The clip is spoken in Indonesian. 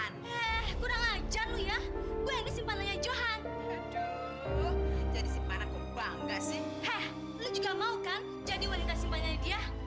ngapain kamu kesini ah